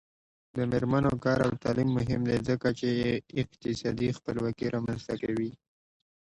د میرمنو کار او تعلیم مهم دی ځکه چې اقتصادي خپلواکي رامنځته کوي.